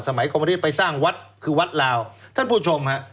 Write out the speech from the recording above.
สมัยของประเทศไปสร้างวัดคือวัดลาวท่านผู้ชมค่ะ